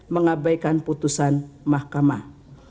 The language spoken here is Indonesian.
mengabaikan putusan makamah